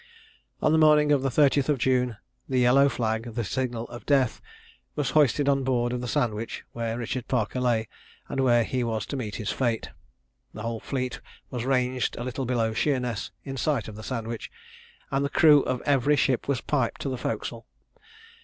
On the morning of the 30th of June, the yellow flag, the signal of death, was hoisted on board of the Sandwich, where Richard Parker lay, and where he was to meet his fate. The whole fleet was ranged a little below Sheerness, in sight of the Sandwich, and the crew of every ship was piped to the forecastle.